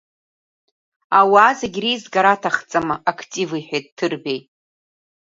Ауаа зегь реизгара аҭахӡам, актив, — иҳәеит Ҭырбеи.